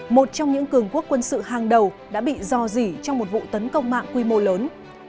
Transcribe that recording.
một trong những cường quốc quân sự hàng đầu đã bị dò dỉ trong một vụ tấn công mạng quy mô lớn